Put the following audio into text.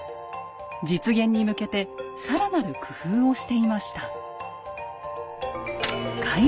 実現に向けてさらなる工夫をしていました。